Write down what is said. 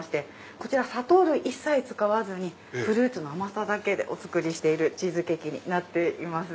こちら砂糖類一切使わずにフルーツの甘さだけで作っているチーズケーキになっています。